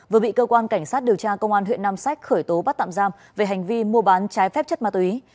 vừa bị cơ quan cảnh sát điều tra công an huyện nam sách khởi tố bắt tạm giam về hành vi mua bán trái phép chất ma túy